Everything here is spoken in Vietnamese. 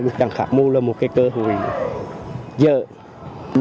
chẳng hạn mua một cái cơ hội gì nữa